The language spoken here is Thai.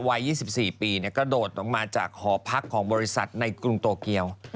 วัย๒๔ปีกระโดดลงมาจากหอพักของบริษัทในกรุงโตเกียว